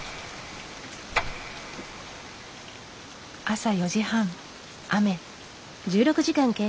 朝４時半雨。